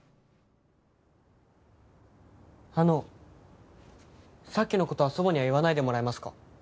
あのさっきの事は祖母には言わないでもらえますか？